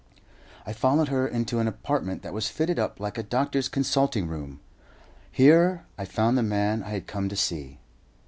I followed her into an apartment that was fitted up like a doctor's consulting room. Here I found the man I had come to see.